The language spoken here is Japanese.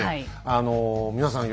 あの皆さん